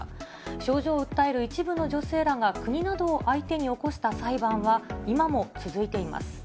症状を訴える一部の女性らが国などを相手に起こした裁判は、今も続いています。